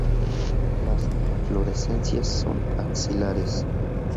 Las inflorescencias son axilares.